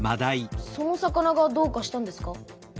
その魚がどうかしたんですか？